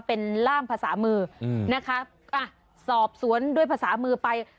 เป็นล่ามภาษามืออืมนะคะอ่ะสอบสวนด้วยภาษามือไป